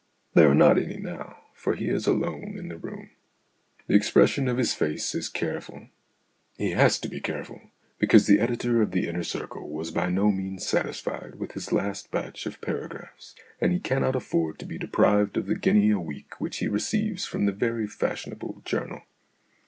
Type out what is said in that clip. There are not any now, for he is alone in the room. The expression of his face is careful. He has to be careful, because the editor of The Inner Circle was by no means satisfied with his last batch of paragraphs, and he 46 STORIES IN GREY cannot afford to be deprived of the guinea a week which he receives from that very fashionable journal.